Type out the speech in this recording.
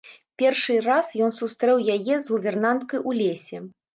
Першы раз ён сустрэў яе з гувернанткай у лесе.